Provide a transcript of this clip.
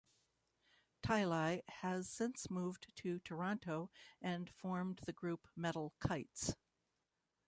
Tielli has since moved to Toronto and formed the group Metal Kites.